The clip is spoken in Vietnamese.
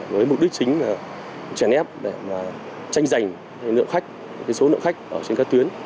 với mục đích chính là chèn ép để mà tranh giành nợ khách số nợ khách ở trên các tuyến